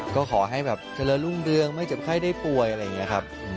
ก็ขอให้แบบเจริญรุ่งเรืองไม่เจ็บไข้ได้ป่วยอะไรอย่างนี้ครับ